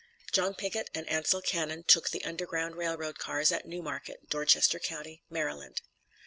John Pinket and Ansal Cannon took the Underground Rail Road cars at New Market, Dorchester county, Maryland.